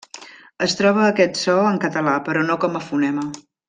Es troba aquest so en català, però no com a fonema.